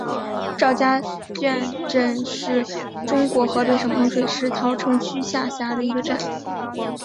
赵家圈镇是中国河北省衡水市桃城区下辖的一个镇。